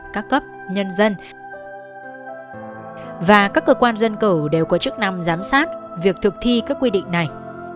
các cấp nhân dân và các cơ quan dân cầu đều có chức năng giám sát việc thực thi các quy định này